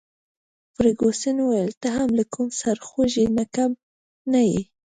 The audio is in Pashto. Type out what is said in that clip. فرګوسن وویل: ته هم له کوم سرخوږي نه کم نه يې.